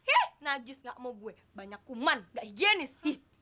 hek najis gak mau gue banyak kuman gak higienis